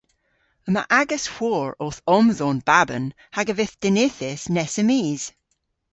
Yma agas hwor owth omdhon baban hag a vydh dinythys nessa mis.